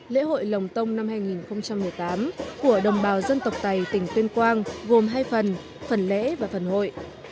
lễ hội lồng tông năm hai nghìn một mươi tám của đồng bào dân tộc tày tỉnh tuyên quang gồm hai phần phần lễ và phần hội